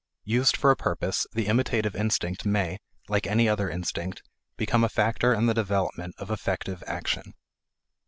Used for a purpose, the imitative instinct may, like any other instinct, become a factor in the development of effective action.